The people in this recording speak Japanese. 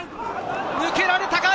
抜けられたか？